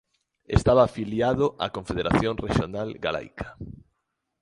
Estaba afiliado á Confederación Rexional Galaica.